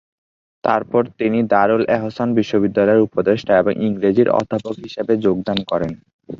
তারপর তিনি দারুল এহসান বিশ্ববিদ্যালয়ের উপদেষ্টা এবং ইংরেজির অধ্যাপক হিসেবে যোগদান করেন।